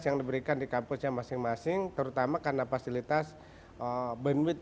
yang diberikan di kampusnya masing masing terutama karena fasilitas bandwidt